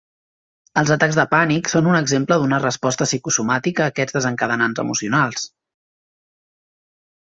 Els atacs de pànic són un exemple d'una resposta psicosomàtica a aquests desencadenants emocionals.